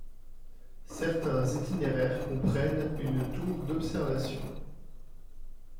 Certains itinéraires comprennent une tour d'observation.